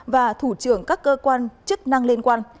và thủ trưởng các cơ quan chức năng liên quan